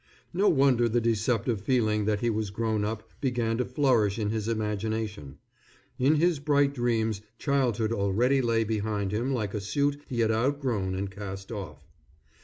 No wonder the deceptive feeling that he was grown up began to flourish in his imagination. In his bright dreams childhood already lay behind him like a suit he had outgrown and cast off.